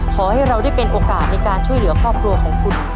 ขอให้เราได้เป็นโอกาสในการช่วยเหลือครอบครัวของคุณ